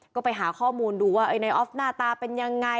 ก็ไปหาข้อมูลดูว่าในออฟหน้าตาเป็นยังไง